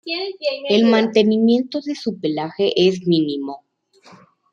El mantenimiento de su pelaje es mínimo.